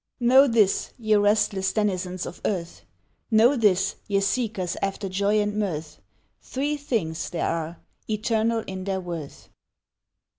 KNOW this, ye restless denizens of earth, Know this, ye seekers after joy and mirth, Three things there are, eternal in their worth.